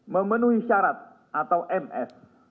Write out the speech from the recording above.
memenuhi syarat atau ms